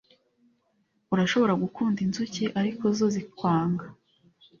urashobora gukunda inzuki ariko zo zikwanga